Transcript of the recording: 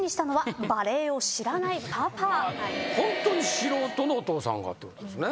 ホントに素人のお父さんがってことですね？